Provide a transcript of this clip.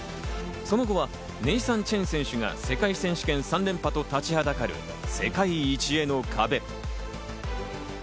その後はネイサン・チェン選手が世界選手権３連覇と立ちはだかる世界一への壁。